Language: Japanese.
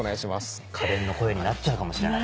家電の声になっちゃうかもしれない。